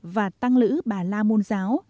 và tăng lữ bà la môn giáo